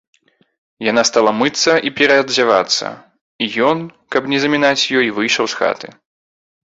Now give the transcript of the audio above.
Яна стала мыцца і пераадзявацца, і ён, каб не замінаць ёй, выйшаў з хаты.